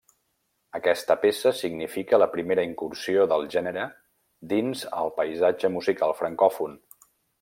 Aquesta peça significa la primera incursió del gènere dins el paisatge musical francòfon.